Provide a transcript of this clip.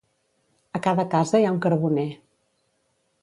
A cada casa hi ha un carboner.